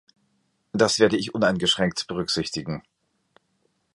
Das werde ich uneingeschränkt berücksichtigen.